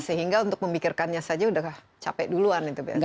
sehingga untuk memikirkannya saja sudah capek duluan itu biasanya